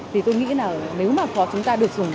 thì tôi nghĩ là nếu mà chúng ta được dùng